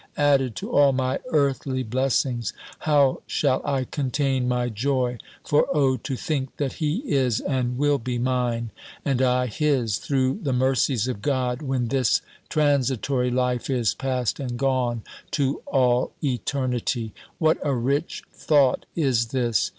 added to all my earthly blessings! How shall I contain my joy! For, oh! to think that he is, and will be mine, and I his, through the mercies of God, when this transitory life is past and gone, to all eternity; what a rich thought is this!